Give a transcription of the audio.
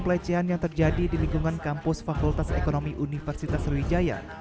pelecehan yang terjadi di lingkungan kampus fakultas ekonomi universitas sriwijaya